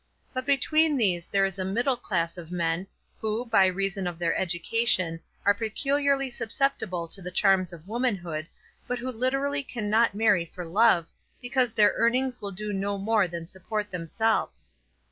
But between these there is a middle class of men, who, by reason of their education, are peculiarly susceptible to the charms of womanhood, but who literally cannot marry for love, because their earnings will do no more than support themselves.